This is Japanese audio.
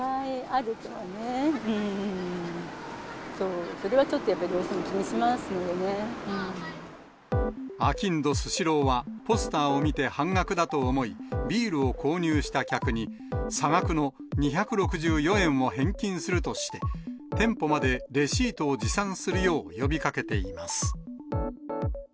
あきんどスシローは、ポスターを見て半額だと思い、ビールを購入した客に、差額の２６４円を返金するとして、店舗までレシートを持参するよう呼びかけています。